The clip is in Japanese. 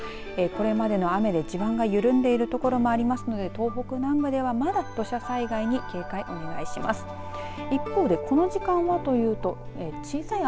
これまでの雨で地盤が緩んでいる所もありますので東北の方は土砂災害に警戒してください。